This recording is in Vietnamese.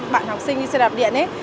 bạn học sinh đi xe đạp điện ấy